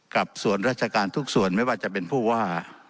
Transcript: กับส่วนราชการทุกส่วนไม่ว่าจะเป็นผู้ว่า